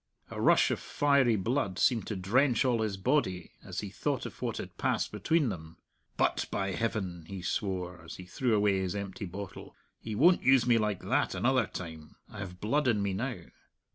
A rush of fiery blood seemed to drench all his body as he thought of what had passed between them. "But, by Heaven," he swore, as he threw away his empty bottle, "he won't use me like that another time; I have blood in me now."